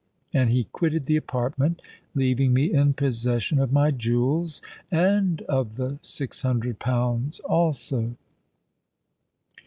And he quitted the apartment, leaving me in possession of my jewels and of the six hundred pounds also."